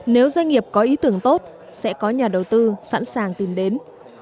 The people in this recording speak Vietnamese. nếu doanh nghiệp có ý tưởng tốt sẽ có nhà đầu tư sẵn sàng tìm đến